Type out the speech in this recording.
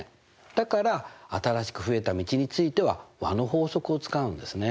だから新しく増えた道については和の法則を使うんですね。